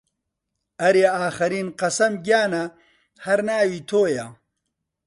ئەرێ ئاخەرین قەسەم گیانە هەر ناوی تۆیە